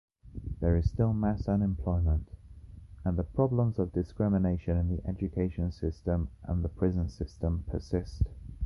There is still mass unemployment, and problems of discrimination in the education system and the prison system persist.